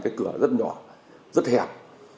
cái cửa rất nhỏ rất hẹp